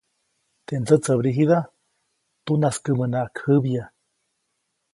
Teʼ ndsätsäbrigida tunaskäʼmänaʼajk jäbya.